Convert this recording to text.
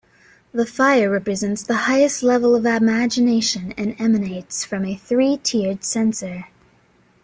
The fire represents the highest level of imagination and emanates from a three-tiered censer.